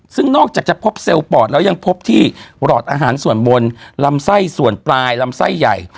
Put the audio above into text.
ซึ่งนอกจากจะพบเซลล์ปอดแล้วยังพบที่หลอดอาหารส่วนบนลำไส้ส่วนปลายลำไส้ใหญ่